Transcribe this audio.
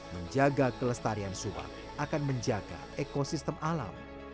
menjaga kelestarian suap akan menjaga ekosistem alam